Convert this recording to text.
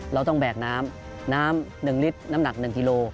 เราต้องแบกน้ำน้ำ๑ลิตรน้ำหนัก๑กิโล